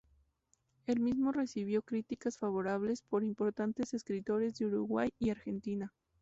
El mismo recibió críticas favorables por importantes escritores de Uruguay y Argentina.